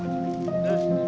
terima kasih banyak